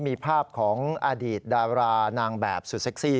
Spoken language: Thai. มีภาพของอดีตดารานางแบบสุดเซ็กซี่